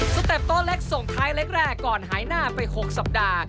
เต็ปโต๊ะเล็กส่งท้ายเล็กแรกก่อนหายหน้าไป๖สัปดาห์